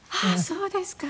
そうですか！